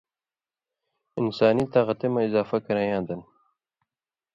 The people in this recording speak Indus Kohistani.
انسانی طاقتی مہ اضافہ کرِیں یاں دن